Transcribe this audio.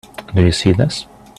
Do you see this?